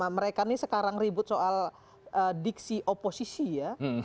mereka ini sekarang ribut soal diksi oposisi ya